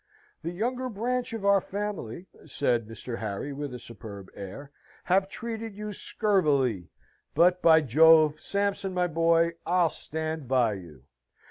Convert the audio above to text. "The younger branch of our family," said Mr. Harry, with a superb air, "have treated you scurvily; but, by Jove, Sampson my boy, I'll stand by you!"